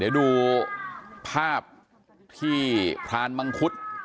เดี๋ยวดูภาพที่พรานมังคุด